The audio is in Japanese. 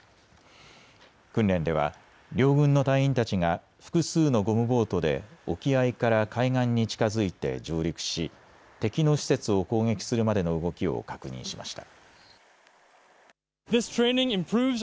訓練では両軍の隊員たちが複数のゴムボートで沖合から海岸に近づいて上陸し敵の施設を攻撃するまでの動きを確認しました。